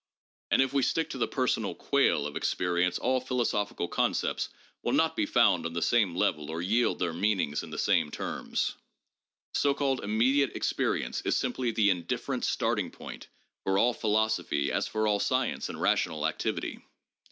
And if we stick to the personal quale of experience all philosophical concepts will not be found on the same level or yield their meanings in the same terms. So called imme diate experience is simply the indifferent starting point for all philos ophy as for all science and rational activity.